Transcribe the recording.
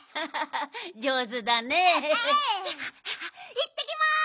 いってきます！